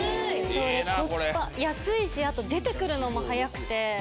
・そうコスパ安いしあと出てくるのも早くて。